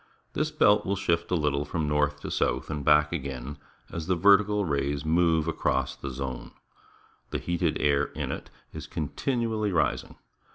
This belt will shift a little from north to south and back again as the ver tical rays move across the zone. The heated air in it is continually rising.